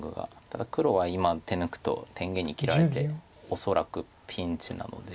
ただ黒は今手抜くと天元に切られて恐らくピンチなので。